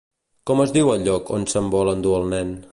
Com es diu el lloc on se'n vol endur al nen?